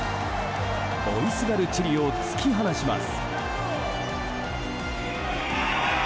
追いすがるチリを突き放します。